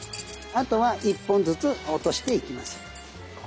あとは１本ずつ落としていきます。